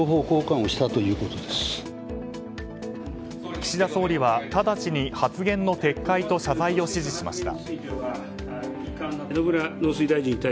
岸田総理はただちに発言の撤回と謝罪を指示しました。